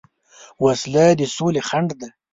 وسله د سولې خنډ ده